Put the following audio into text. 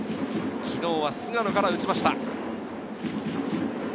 昨日は菅野から打ちました。